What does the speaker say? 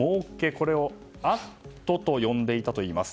これを「＠」と呼んでいたといいます。